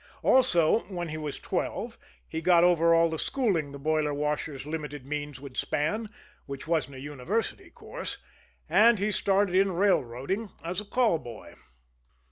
Also, when he was twelve, he got over all the schooling the boiler washer's limited means would span, which wasn't a university course; and he started in railroading as a call boy.